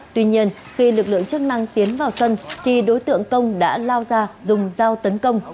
tuy nhiên khi lực lượng chức năng tiến vào sân thì đối tượng công đã lao ra dùng dao tấn công